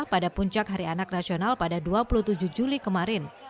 pada puncak hari anak nasional pada dua puluh tujuh juli kemarin